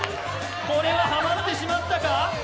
これはハマってしまったか？